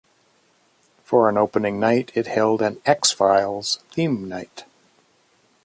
For an opening night it held an "X-Files" theme night.